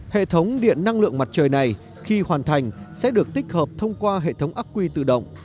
hệ thống điện năng lượng mặt trời này khi hoàn thành sẽ được tích hợp thông qua hệ thống ác quy tự động